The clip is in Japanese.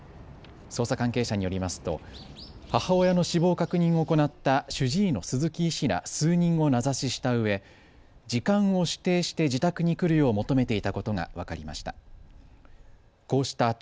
捜査関係者によりますと母親の死亡確認を行った主治医の鈴木医師ら数人を名指ししたうえ時間を指定して自宅に来るよう求めていたことが分かりました。